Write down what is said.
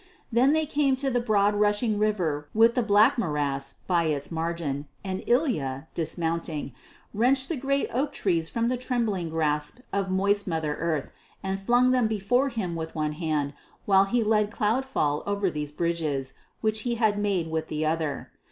Then they came to the broad rushing river with the Black Morass by its margin, and Ilya, dismounting, wrenched great oak trees from the trembling grasp of moist Mother Earth and flung them before him with one hand while he led Cloudfall over these bridges which he had made with the other.